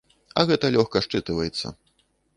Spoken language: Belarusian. А гэта лёгка счытваецца.